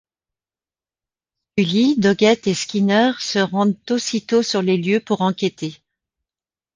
Scully, Doggett et Skinner se rendent aussitôt sur les lieux pour enquêter.